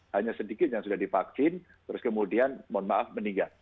hanya sedikit yang sudah divaksin terus kemudian mohon maaf meninggal